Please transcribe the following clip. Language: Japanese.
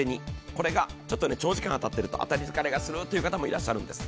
これが長時間当たっていると当たり疲れするという方がいるんです。